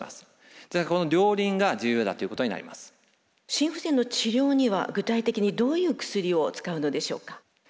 心不全の治療には具体的にどういう薬を使うのでしょうか？